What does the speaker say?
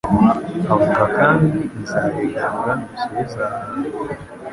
avuga Kandi nzabigarura mbisubize aha hantu